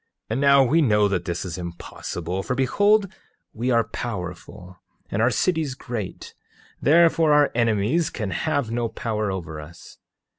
8:6 And now we know that this is impossible, for behold, we are powerful, and our cities great, therefore our enemies can have no power over us.